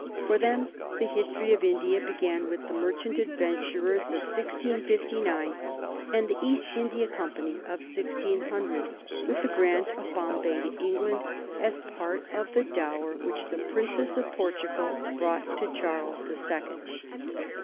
For them the history of India began with the merchant adventurers of 1659 and the East India Company of 1600, with the grant of Bombay to England as part of the dower which the Princess of Portugal brought to Charles the Second.